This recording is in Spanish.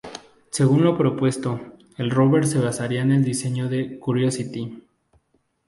Según lo propuesto, el rover se basaría en el diseño del "Curiosity".